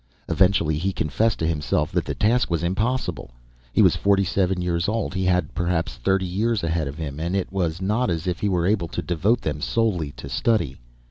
Eventually he confessed to himself that the task was impossible. He was forty seven years old; he had perhaps thirty years ahead of him, and it was not as if he were able to devote them solely to study.